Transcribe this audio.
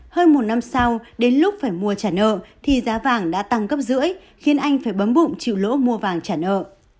hơn một năm sau đến lúc phải mua trả nợ thì giá vàng đã tăng gấp rưỡi khiến anh phải bấm bụng chịu lỗ mua vàng trả nợ